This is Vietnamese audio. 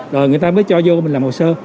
rồi người ta mới cho vô mình làm hồ sơ